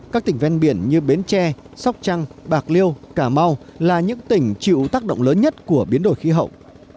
các tỉnh ven biển như bến tre sóc trăng bạc liêu cà mau là những tỉnh chịu tác động lớn nhất của biến đổi khí hậu